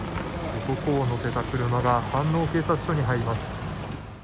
男を乗せた車が飯能警察署に入ります。